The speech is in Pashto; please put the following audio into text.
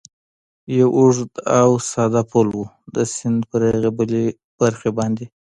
یو اوږد او ساده پل و، د سیند پر هغې برخې باندې.